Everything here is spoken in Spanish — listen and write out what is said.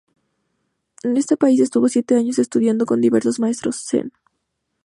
En ese país estuvo siete años estudiando con diversos maestros Zen.